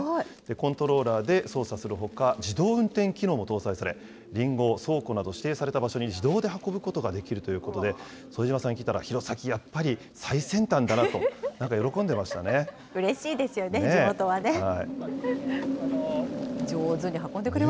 コントローラーで操作するほか、自動運転機能も搭載され、りんごを倉庫など指定された場所に自動で運ぶことができるということで、副島さんに聞いたら、弘前、やっぱり最先端だなと、なんうれしいですよね、地元はね。